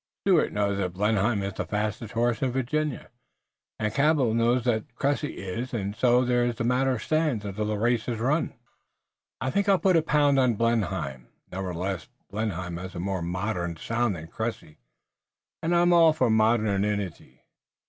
"Stuart knows that Blenheim is the fastest horse in Virginia, and Cabell knows that Cressy is, and so there the matter stands until the race is run." "I think I'll put a pound on Blenheim, nevertheless. Blenheim has a much more modern sound than Cressy, and I'm all for modernity."